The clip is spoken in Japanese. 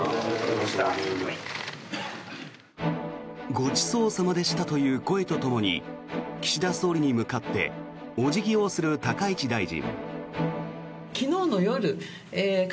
ごちそう様でしたという声とともに岸田総理に向かってお辞儀をする高市大臣。